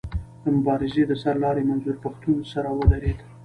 د مبارزې د سر لاري منظور پښتون سره ودرېد.